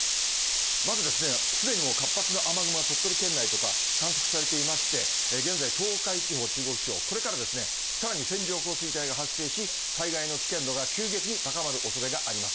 まずすでにもう活発な雨雲が鳥取県内とか、観測されていまして、現在、東海地方、中国地方、これからさらに線状降水帯が発生し、災害の危険度が急激に高まるおそれがあります。